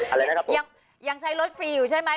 อะไรนะครับยังยังใช้รถฟรีอยู่ใช่ไหม